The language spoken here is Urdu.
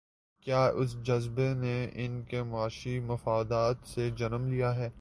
کیا اس جذبے نے ان کے معاشی مفادات سے جنم لیا ہے؟